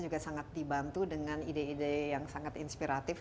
juga sangat dibantu dengan ide ide yang sangat inspiratif